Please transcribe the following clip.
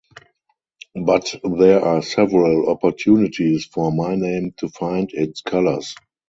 But there are several opportunities for Myname to find its colors.